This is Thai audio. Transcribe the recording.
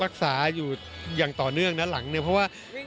รักษาอยู่อย่างต่อเนื่องนะหลังเนี่ยเพราะว่า